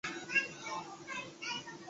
下表列出慕亚林县在州议会的代表。